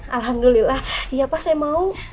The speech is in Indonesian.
alhamdulillah ya pak saya mau